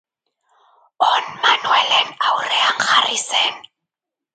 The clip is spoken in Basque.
On Manuelen aurrean jarri zen.